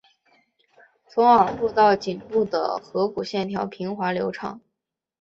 从耳后到颈部的颅骨线条平滑流畅。